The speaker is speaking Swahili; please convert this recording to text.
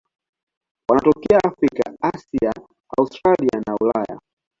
Wanatokea Afrika, Asia, Australia na Ulaya.